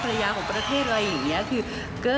ระยะของประเทศอะไรอย่างนี้คือ